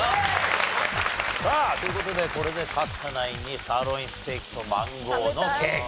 さあという事でこれで勝ったナインにサーロインステーキとマンゴーのケーキと。